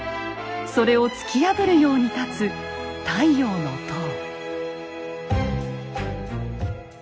それを突き破るように立つ「太陽の塔」。